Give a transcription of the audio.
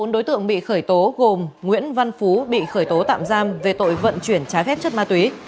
bốn đối tượng bị khởi tố gồm nguyễn văn phú bị khởi tố tạm giam về tội vận chuyển trái phép chất ma túy